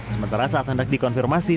sementara saat hendak dikonfirmasi